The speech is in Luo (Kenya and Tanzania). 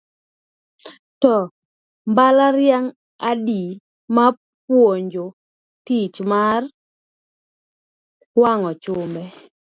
To mbalariany adi ma puonjo tich mar wang'o chumbe.